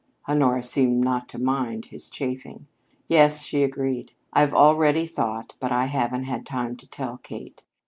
Honora seemed not to mind his chaffing. "Yes," she agreed, "I've already thought, but I haven't had time to tell Kate.